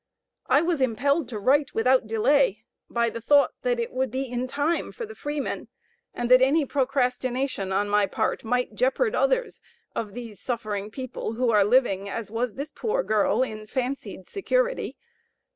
I was impelled to write without delay, by the thought that it would be in time for the 'Freeman,' and that any procrastination on my part, might jeopard others of these suffering people, who are living, as was this poor girl, in fancied security.